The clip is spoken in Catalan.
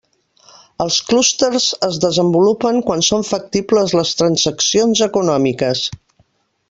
Els clústers es desenvolupen quan són factibles les transaccions econòmiques.